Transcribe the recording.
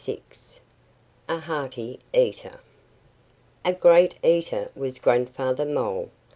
VI A HEARTY EATER A GREAT eater was Grandfather Mole.